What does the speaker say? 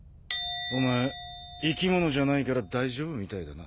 お前生き物じゃないから大丈夫みたいだな。